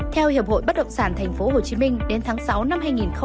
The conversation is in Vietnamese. theo hiệp hội bất động sản tp hcm đến tháng sáu năm hai nghìn hai mươi